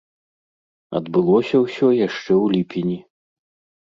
Адбылося ўсё яшчэ ў ліпені.